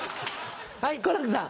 はい好楽さん。